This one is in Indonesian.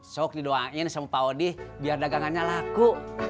sok didoain sama pak odi biar dagangannya laku